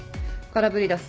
空振りだ。